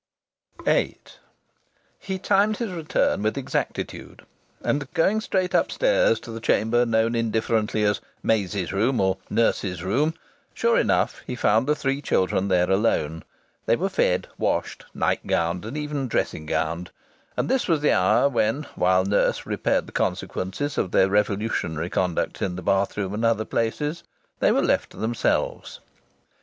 VIII He timed his return with exactitude, and, going straight upstairs to the chamber known indifferently as "Maisie's room" or "nurse's room," sure enough he found the three children there alone! They were fed, washed, night gowned and even dressing gowned; and this was the hour when, while nurse repaired the consequences of their revolutionary conduct in the bathroom and other places, they were left to themselves.